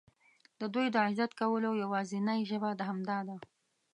د دوی د عزت کولو یوازینۍ ژبه همدا ده.